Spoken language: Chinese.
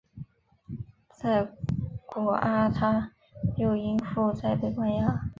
在果阿他又因负债被关押。